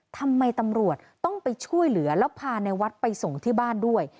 ทำไมตำรวจต้องไปช่วยเหลือแล้วพาในวัดไปส่งที่บ้านด้วย